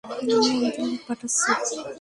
আমি আমাদের লোক পাঠাচ্ছি।